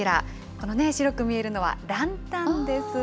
このね、白く見えるのはランタンです。